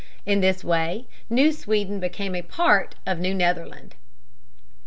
In this way New Sweden became a part of New Netherland.